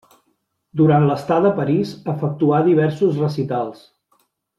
Durant l'estada a París efectuà diversos recitals.